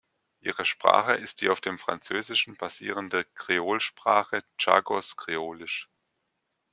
Ihre Sprache ist die auf dem Französischen basierende Kreolsprache Tschagos-Kreolisch.